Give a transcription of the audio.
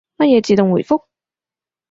乜嘢自動回覆？